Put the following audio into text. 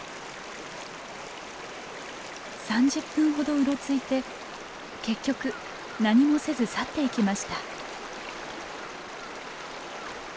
３０分ほどうろついて結局何もせず去っていきました。